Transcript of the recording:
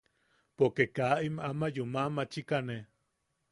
Poke kaa im ama yuma machikane.